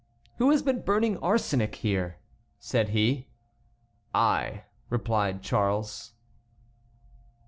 "Who has been burning arsenic here?" said he. "I," replied Charles.